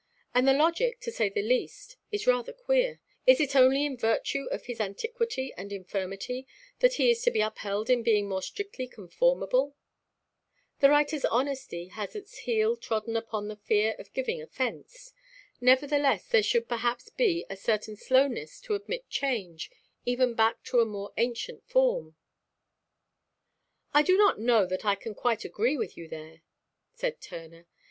And the logic, to say the least, is rather queer: is it only in virtue of his antiquity and infirmity that he is to be upheld in being more strictly conformable? The writer's honesty has its heels trodden upon by the fear of giving offence. Nevertheless there should perhaps be a certain slowness to admit change, even back to a more ancient form." "I don't know that I can quite agree with you there," said Turner.